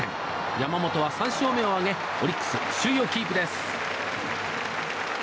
山本は３勝目を挙げオリックス、首位をキープです。